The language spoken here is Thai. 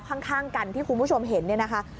ข้างกันที่คุณผู้ชมเห็นเนี่ยนะคะ